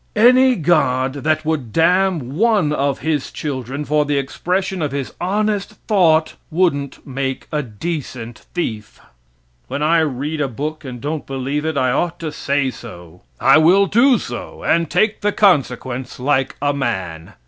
Any God that would damn one of his children for the expression of his honest thought wouldn't make a decent thief. When I read a book and don't believe it, I ought to say so. I will do so and take the consequence like a man.